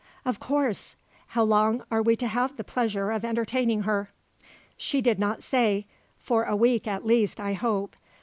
"Of course. How long are we to have the pleasure of entertaining her?" "She did not say; for a week at least, I hope.